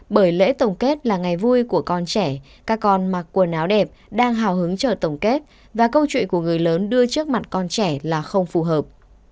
bởi lễ tổng kết là ngày vui của con trẻ các con mặc quần áo đẹp đang hào hứng chờ tổng kết và câu chuyện của người lớn đưa trước mặt con trẻ là không phù hợp